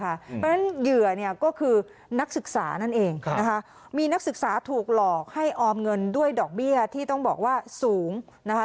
เพราะฉะนั้นเหยื่อเนี่ยก็คือนักศึกษานั่นเองนะคะมีนักศึกษาถูกหลอกให้ออมเงินด้วยดอกเบี้ยที่ต้องบอกว่าสูงนะคะ